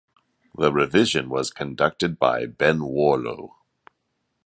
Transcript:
The revision was conducted by Ben Warlow.